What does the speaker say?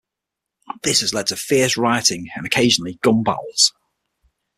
This has led to fierce rioting and, occasionally, gun battles.